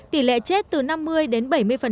tỷ lệ chết từ năm mươi đến bảy mươi